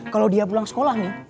kalau dia pulang sekolah nih